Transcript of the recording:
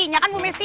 ya kan bu messi